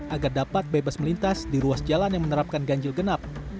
agar dapat bebas melintas di ruas jalan yang menerapkan ganjil genap